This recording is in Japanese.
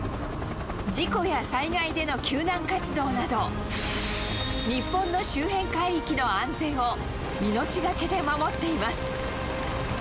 事故や災害での救難活動など、日本の周辺海域の安全を命懸けで守っています。